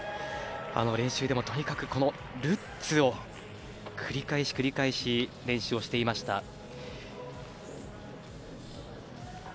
練習でも、とにかくルッツを繰り返し繰り返し練習をしていました。